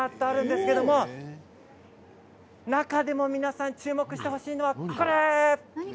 中でも皆さん注目してほしいのがこちらです。